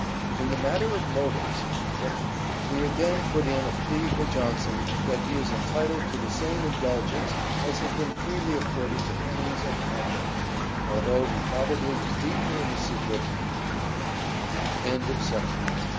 In the matter of motives, however, we again put in a plea for Jonson that he is entitled to the same indulgence as has been freely accorded to Heminge and Condell, although he probably was deeper in the secret t